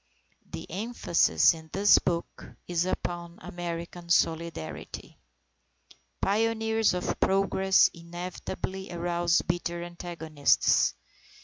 The emphasis in this book is upon American Solidarity. Pioneers of progress inevitably arouse bitter antagonists.